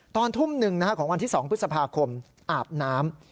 ตอนทุ่มหนึ่งของวันที่๒พฤษภาคมอาบน้ำ